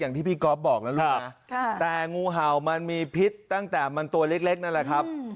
อย่างที่พี่ก๊อฟบอกแล้วนะครับครับแต่งูเห่ามันมีพิษตั้งแต่มันตัวเล็กเล็กนั่นแหละครับ